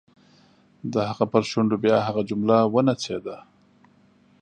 د هغه پر شونډو بیا هغه جمله ونڅېده.